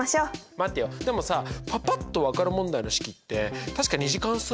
待ってよでもさパパっと分かる問題の式って確か２次関数だったよね。